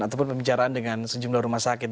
ataupun pembicaraan dengan sejumlah rumah sakit